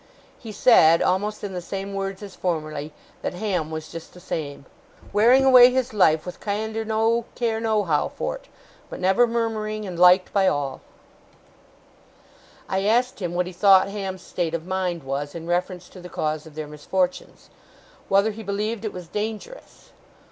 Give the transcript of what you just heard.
He said, almost in the same words as formerly, that Ham was just the same, 'wearing away his life with kiender no care nohow for 't; but never murmuring, and liked by all'. I asked him what he thought Ham's state of mind was, in reference to the cause of their misfortunes? Whether he believed it was dangerous?